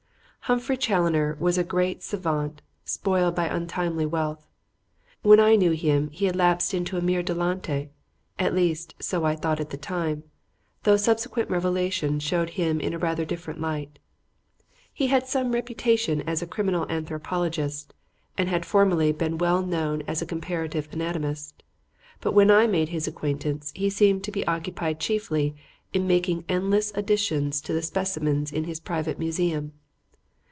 Humphrey Challoner was a great savant spoiled by untimely wealth. When I knew him he had lapsed into a mere dilettante; at least, so I thought at the time, though subsequent revelations showed him in a rather different light. He had some reputation as a criminal anthropologist and had formerly been well known as a comparative anatomist, but when I made his acquaintance he seemed to be occupied chiefly in making endless additions to the specimens in his private museum.